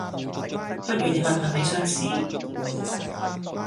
不如你問問你上司?